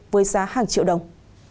với giá hàng triệu đồng